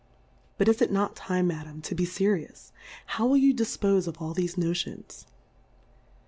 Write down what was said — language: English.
But is it not time, Madam, to be ferious, how will you difpofeof all thefe Notions?